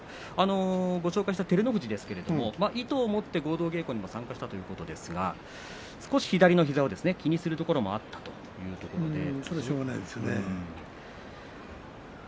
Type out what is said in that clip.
照ノ富士ですけれど意図を持って合同稽古にも参加したということですが左の膝を気にするところもあったということです。